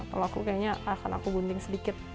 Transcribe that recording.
kalau aku kayaknya akan aku gunting sedikit